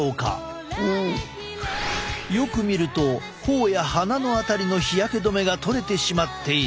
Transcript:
よく見ると頬や鼻の辺りの日焼け止めが取れてしまっている。